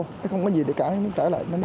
nó không có gì để cảnh trở lại